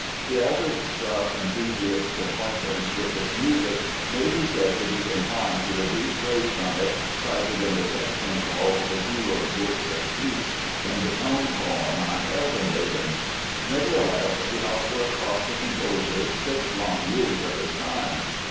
The average Strauss enthusiast's acquaintance with its music may be said to be confined to the brief phrase from it cited in the section called The Hero's Works of Peace in the tone poem Ein Heldenleben. Nevertheless, the opera cost the composer six long years of his time.